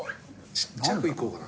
ちっちゃくいこうかな。